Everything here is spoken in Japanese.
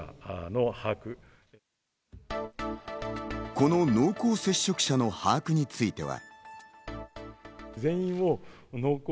この濃厚接触者の把握については。